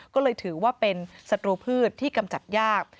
ก็เลยถือว่าเป็นศัตรูพืชที่กำจัดยาก